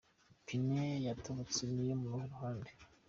Ipine yatobotse niyo muruhe ruhande ?.